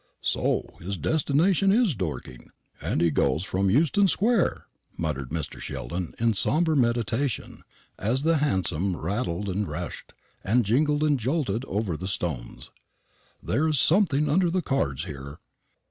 "So! His destination is Dorking, and he goes from Euston square!" muttered Mr. Sheldon, in sombre meditation, as the hansom rattled and rushed, and jingled and jolted, over the stones. "There's something under the cards here."